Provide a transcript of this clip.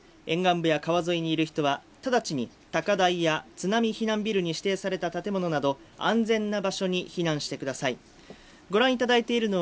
沿岸部や川沿いにいる人は直ちに高台や津波避難ビルに指定された建物など安全な場所に避難してください。